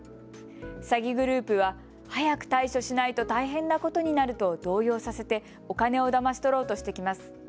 詐欺グループは早く対処しないと大変なことになると動揺させてお金をだまし取ろうとしてきます。